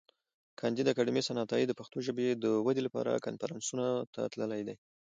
کانديد اکاډميسن عطایي د پښتو ژبي د ودي لپاره کنفرانسونو ته تللی دی.